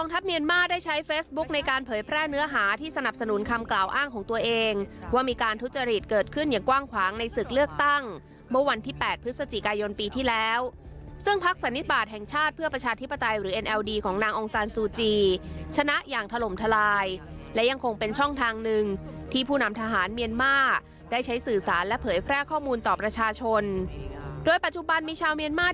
ที่จะเกี่ยวข้องกับประชาชนและคนชนของเมียนมาร์